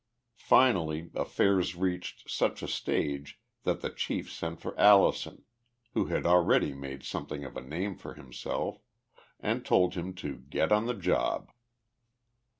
Finally affairs reached such a stage that the chief sent for Allison, who had already made something of a name for himself, and told him to get on the job.